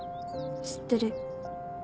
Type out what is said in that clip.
知ってる